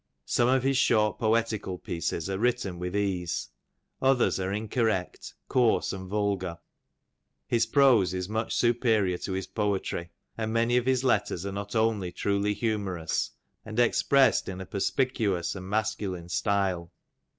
Some of his short poetical pieces are written with ease, others are incorrect, coarse, and vulgar. His prose is much supe rior to his poetry; and many of his letters, are not only truly humorous, but the ideas are energetic, and expressed in a perspicuous and masculine style.